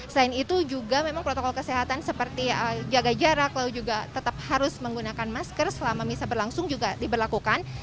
selain itu juga memang protokol kesehatan seperti jaga jarak lalu juga tetap harus menggunakan masker selama misa berlangsung juga diberlakukan